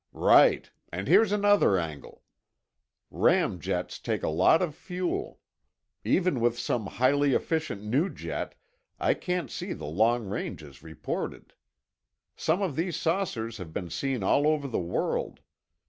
"Right, and here's another angle. Ram jets take a lot of fuel. Even with some highly efficient new jet, I can't see the long ranges reported. Some of these saucers have been seen all over the world.